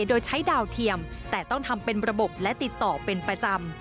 โดยใช้ดาวเทียมแต่ต้องทำเป็นระบบและติดต่อเป็นประจำ